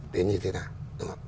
đến như thế nào